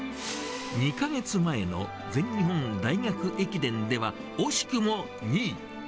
２か月前の全日本大学駅伝では、惜しくも２位。